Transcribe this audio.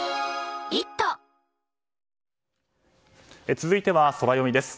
続いてはソラよみです。